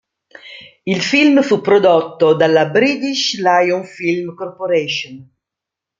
Il film fu prodotto dalla British Lion Film Corporation.